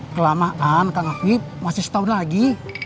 kelamaan kak ngafi masih setahun lagi